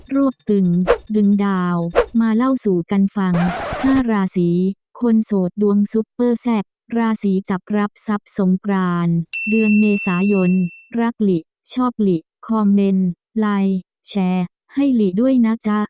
รวบตึงดึงดาวมาเล่าสู่กันฟัง๕ราศีคนโสดดวงซุปเปอร์แซ่บราศีจับรับทรัพย์สงกรานเดือนเมษายนรักหลิชอบหลีคอมเมนต์ไลน์แชร์ให้หลีด้วยนะจ๊ะ